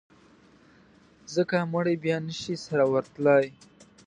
ځکه مړي بیا نه شي سره ورتلای.